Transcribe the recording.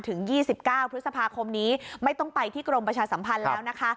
ถึง๒๙พฤษภาคมนี้ไม่ต้องไปที่กรมประชาสัมพันธ์แล้วนะคะ